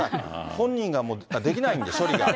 本人がもうできないんで、処理が。